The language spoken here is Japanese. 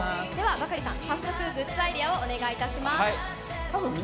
バカリさん、早速グッズアイデアをお願いします。